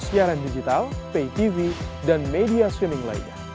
siaran digital pay tv dan media switning lainnya